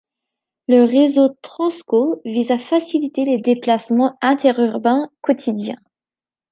Le réseau Transco vise à faciliter les déplacements interurbains quotidiens.